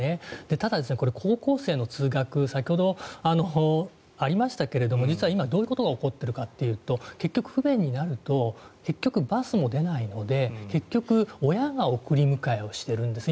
ただ、高校生の通学先ほど、ありましたけれども実は今、どういうことが起こっているかというと結局、不便になるとバスも出ないので結局、親が送り迎えをしているんです。